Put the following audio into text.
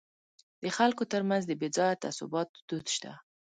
د خلکو ترمنځ د بې ځایه تعصباتو دود شته.